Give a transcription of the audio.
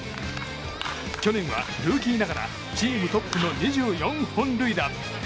去年はルーキーながらチームトップの２４本塁打。